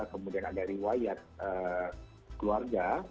kemudian ada riwayat keluarga